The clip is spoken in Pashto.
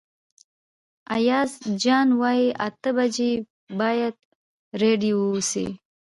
ایاز جان وايي اته بجې باید رېډي اوسئ.